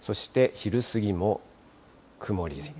そして昼過ぎも曇り。